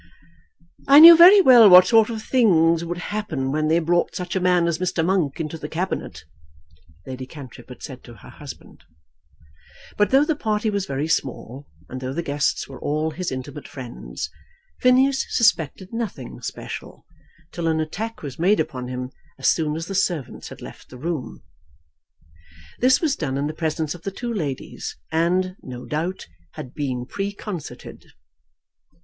"I knew very well what sort of things would happen when they brought such a man as Mr. Monk into the Cabinet," Lady Cantrip had said to her husband. But though the party was very small, and though the guests were all his intimate friends, Phineas suspected nothing special till an attack was made upon him as soon as the servants had left the room. This was done in the presence of the two ladies, and, no doubt, had been preconcerted.